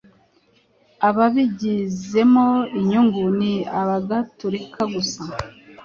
Ababigizemo inyungu ni abagatolika gusa.